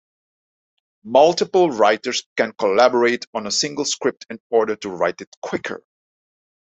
Multiple writers can collaborate on a single script in order to write it quicker.